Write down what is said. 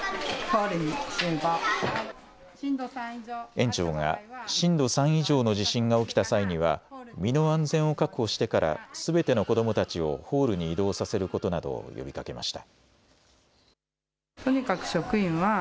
園長が震度３以上の地震が起きた際には身の安全を確保してからすべての子どもたちをホールに移動させることなどを呼びかけました。